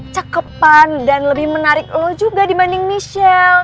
cewek cakepan dan lebih menarik lo juga dibanding michelle